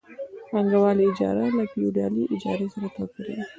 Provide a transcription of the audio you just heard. پانګوالي اجاره له فیوډالي اجارې سره توپیر لري